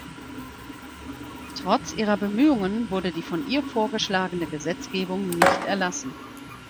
Trotz ihrer Bemühungen wurde die von ihr vorgeschlagene Gesetzgebung nicht erlassen.